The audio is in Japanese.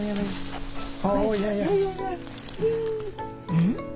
うん？